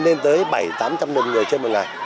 lên tới bảy trăm linh tám trăm linh người trên một ngày